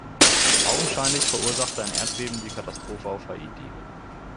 Augenscheinlich verursachte ein Erdbeben die Katastrophe auf Haiti.